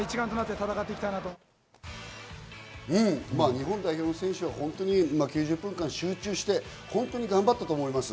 日本代表の選手は本当に９０分間集中して頑張ったと思います。